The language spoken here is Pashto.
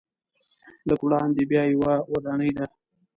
لږ وړاندې بیا یوه ودانۍ ده.